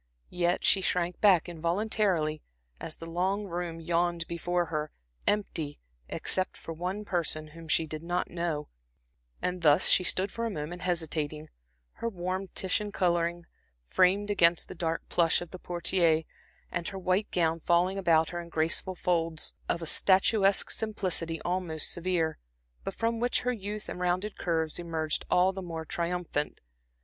Yet she shrank back involuntarily, as the long room yawned before her, empty, except for one person whom she did not know; and thus she stood for a moment hesitating, her warm Titian coloring framed against the dark plush of the portiere, and her white gown falling about her in graceful folds, of a statuesque simplicity almost severe, but from which her youth and rounded curves emerged all the more triumphant.